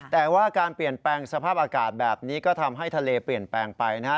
แต่ว่าการเปลี่ยนแปลงสภาพอากาศแบบนี้ก็ทำให้ทะเลเปลี่ยนแปลงไปนะฮะ